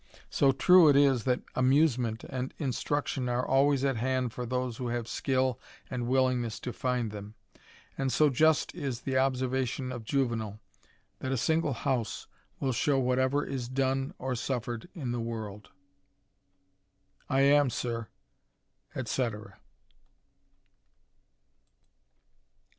So true it is that amusement and instruction dways at hand for those who have skill and willingness nd them ; and so just is the observation of Juvenal, a single house will show whatever is done or suffered in irorld.